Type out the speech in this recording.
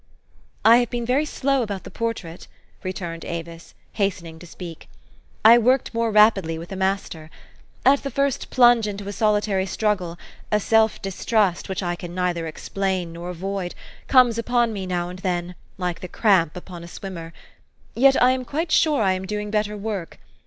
" I have been very slow about the portrait, " returned Avis, hastening to speak. " I worked more rapidly with a master. At the first plunge into a solitary struggle, a self distrust, which I can neither explain nor avoid, comes upon me now and then, like the cramp upon a swimmer ; yet I am quite sure I am doing better work.